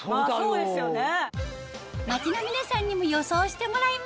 そうですよね。